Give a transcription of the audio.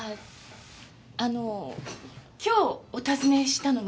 あの今日お訪ねしたのは。